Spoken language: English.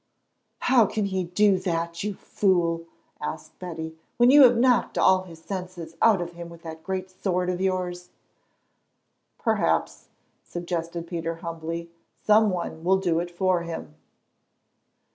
"How can he do that, you fool," asked Betty, "when you have knocked all his senses out of him with that great sword of yours?" "Perhaps," suggested Peter humbly, "some one will do it for him."